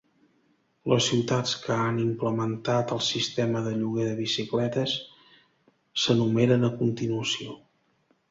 Les ciutats que han implementat el sistema de lloguer de bicicletes s'enumeren a continuació.